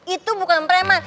itu bukan prema